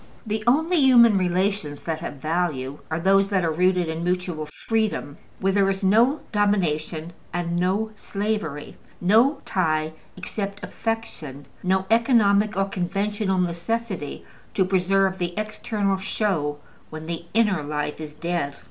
The only human relations that have value are those that are rooted in mutual freedom, where there is no domination and no slavery, no tie except affection, no economic or conventional necessity to preserve the external show when the inner life is dead.